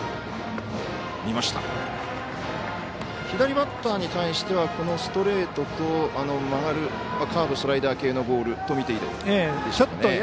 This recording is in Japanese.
左バッターに対してはストレートと曲がるカーブ、スライダー系のボールと見ていいでしょうか。